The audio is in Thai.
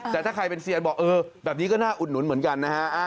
แต่ถ้าใครเป็นเซียนบอกเออแบบนี้ก็น่าอุดหนุนเหมือนกันนะฮะ